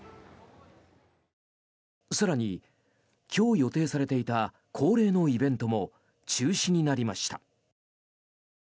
更に今日予定されていた恒例のイベントも中止になりました。